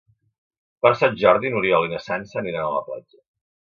Per Sant Jordi n'Oriol i na Sança aniran a la platja.